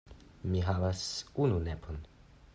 Mi havas unu nepon.